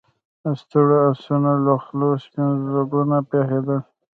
د ستړو آسونو له خولو سپين ځګونه بهېدل.